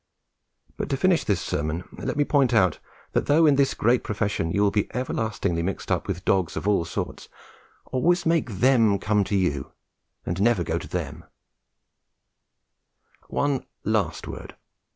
But to finish this sermon, let me point out that though in this great profession you will be everlastingly mixed up with dogs of all sorts, always make them come to you, and never go to them. One last word.